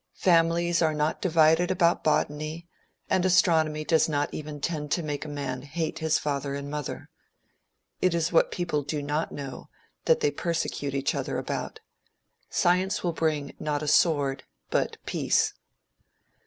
Families are not divided about botany, and astronomy does not even tend to make a man hate his father and mother. It is what people do not know, that they persecute each other about. Science will bring, not a sword, but peace.